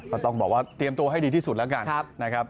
ก็ต้องบอกว่าเตรียมตัวให้ดีที่สุดแล้วกันนะครับ